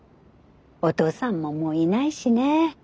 お父さんももういないしね。